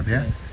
lebih dekat ya